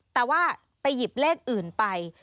แต่ว่าไปหยิบเลขอื่นไป